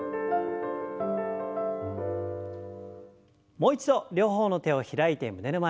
もう一度両方の手を開いて胸の前に。